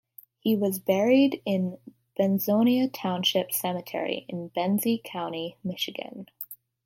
He was buried in Benzonia Township Cemetery in Benzie County, Michigan.